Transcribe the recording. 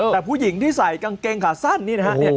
แต่ผู้หญิงที่ใส่กางเกงขาสั้นนี่นะฮะ